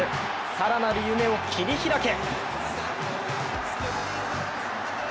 更なる夢を切り開け。